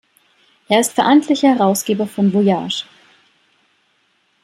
Er ist verantwortlicher Herausgeber von Voyage.